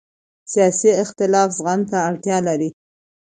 سیاسي اختلاف زغم ته اړتیا لري